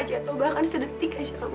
jangan menangis ratu